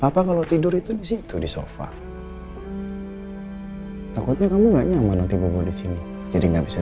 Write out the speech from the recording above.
papa kalau tidur itu disitu di sofa takutnya kamu enggak nyaman nanti buku disini jadi nggak bisa